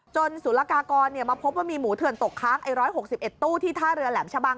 สุรกากรมาพบว่ามีหมูเถื่อนตกค้าง๑๖๑ตู้ที่ท่าเรือแหลมชะบัง